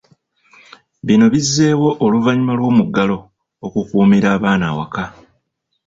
Bino bizzeewo oluvannyuma lw'omuggalo okukuumira abaana awaka.